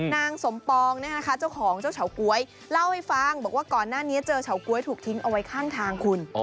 นางสมปองนะคะเจ้าของเจ้าเฉาก๊วยเล่าให้ฟังบอกว่าก่อนหน้านี้เจอเฉาก๊วยถูกทิ้งเอาไว้ข้างทางคุณ